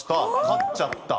勝っちゃった。